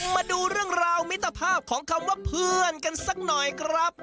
มาดูเรื่องราวมิตรภาพของคำว่าเพื่อนกันสักหน่อยครับ